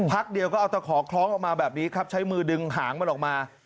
พักเดียวก็เอาตะขอคล้องออกมาแบบนี้ครับใช้มือดึงหางมันออกมา